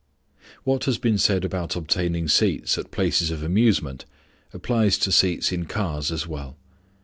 What has been said about obtaining seats at places of amusement applies to seats in cars as well.